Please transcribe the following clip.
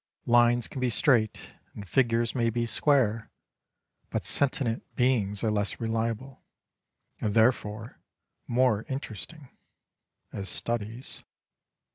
Lines can be straight, and figures may be square, but sentient beings are less reliable, and therefore more interesting as studies.